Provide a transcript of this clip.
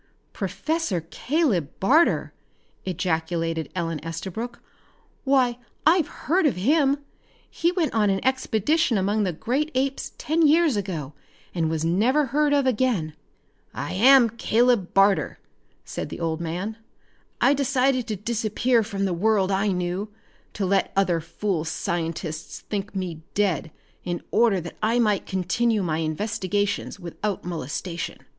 "Professor Caleb Barter!" ejaculated Ellen Estabrook. "Why I've heard of him! He went on an expedition among the great apes ten years ago and was never heard of again." "I am Caleb Barter," said the old man. "I decided to disappear from the world I knew, to let other fool scientists think me dead in order that I might continue my investigations without molestation.